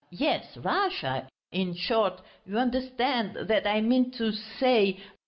yes, Russia ... in short, you understand, that I mean to s s say ...